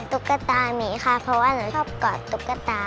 ตุ๊กตามีค่ะเพราะว่าหนูชอบกอดตุ๊กตา